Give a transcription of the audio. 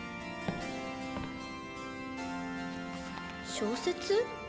小説？